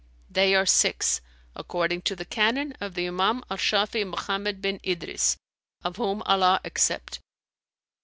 "They are six, according to the canon of the Imam al Shαfi'ν Mohammed bin Idris (of whom Allah accept!)